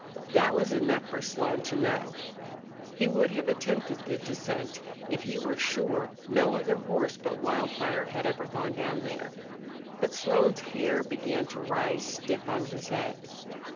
That was enough for Slone to know. He would have attempted the descent if he were sure no other horse but Wildfire had ever gone down there. But Slone's hair began to rise stiff on his head.